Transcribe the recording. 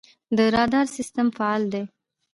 د رادار سیستم فعال دی؟